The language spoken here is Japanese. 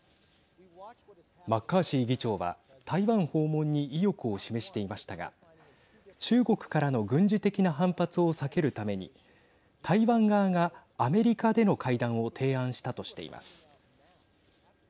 マッカーシー議長は台湾訪問に意欲を示していましたが中国からの軍事的な反発を避けるために台湾側がアメリカでの会談を提案したとしています。